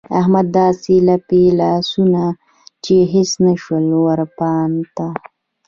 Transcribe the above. احمد داسې الپی الا سو چې هيڅ نه شول ورپاته.